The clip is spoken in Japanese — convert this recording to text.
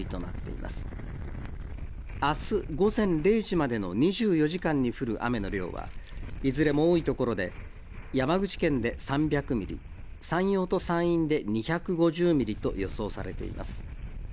あす午前０時までの２４時間に降る雨の量は、いずれも多い所で山口県で３００ミリ、山陽と山陰で２５０ミリと予想されています。